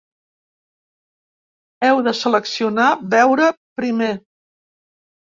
Heu de seleccionar ‘Veure primer’.